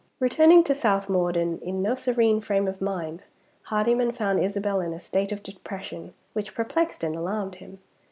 Returning to South Morden in no serene frame of mind, Hardyman found Isabel in a state of depression which perplexed and alarmed him.